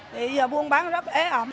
thì giờ buôn bán rất ế ẩm